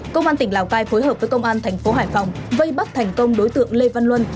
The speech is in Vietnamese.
công an tỉnh lào cai phối hợp với công an thành phố hải phòng vây bắt thành công đối tượng lê văn luân